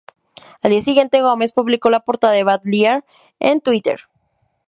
Al día siguiente, Gomez publicó la portada de "Bad Liar" en Twitter.